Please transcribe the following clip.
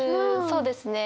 そうですね。